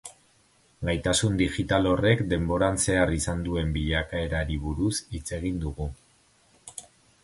Gaitasun digital horrek deboran zehar izan duen bilakaerari buruz hitz egin dugu.